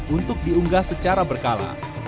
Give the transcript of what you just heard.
untuk diunggah secara berkala